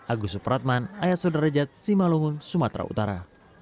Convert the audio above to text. agus supratman ayat saudara ejat cimbalungun sumatera utara